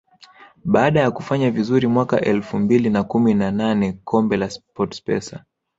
Baada ya kufanya vizuri mwaka elfu mbili na kumi na nane kombe la SportPesa